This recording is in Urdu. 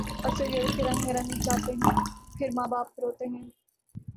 اکثر یورپ کے رنگ میں رنگ جاتے ہیں پھر ماں باپ روتے ہیں